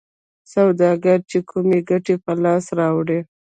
سوداګر چې کومه ګټه په لاس راوړي